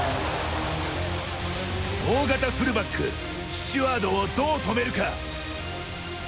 大型フルバックスチュワードをどう止めるか。